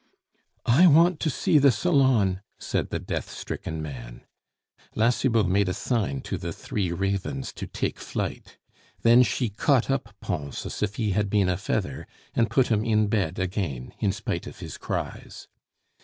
"I want to see the salon...." said the death stricken man. La Cibot made a sign to the three ravens to take flight. Then she caught up Pons as if he had been a feather, and put him in bed again, in spite of his cries.